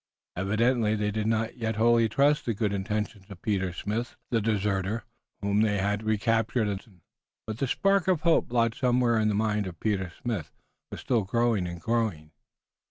Evidently they did not yet wholly trust the good intentions of Peter Smith, the deserter, whom they had recaptured in the Hudson. But the spark of hope lodged somewhere in the mind of Peter Smith was still growing and glowing.